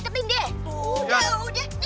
tuh udah udah